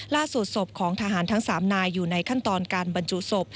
ล่าสุดศพของทหารทั้ง๓นายอยู่ในขั้นตอนการบรรจุศพ